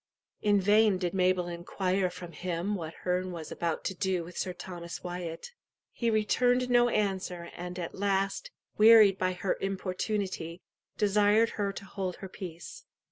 In vain did Mabel inquire from him what Herne was about to do with Sir Thomas Wyat. He returned no answer, and at last, wearied by her importunity, desired her to hold her peace.